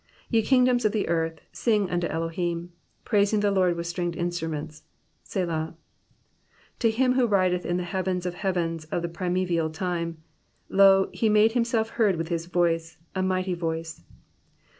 33 Ye kingdoms of the earth, sing unto Elohim, Praising the Lord with stringed instruments — {Se/aA 34 To Him who rideth in the heaven of heavens of the primeval time — Lo, He made Himself heard with His voice, a mighty voice.